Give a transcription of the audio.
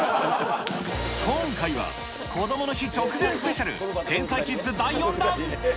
今回は、こどもの日直前スペシャル、天才キッズ第４弾。